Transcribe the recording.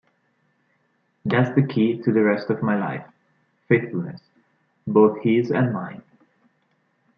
That's the key to the rest of my life: faithfulness, both His and mine.